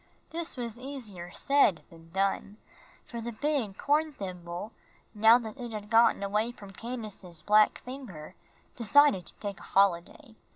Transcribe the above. This was easier said than done, for the big horn thimble, now that it had gotten away from Candace's black finger, decided to take a holiday.